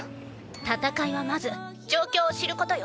戦いはまず状況を知ることよ。